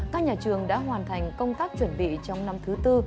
các nhà trường đã hoàn thành công tác chuẩn bị trong năm thứ tư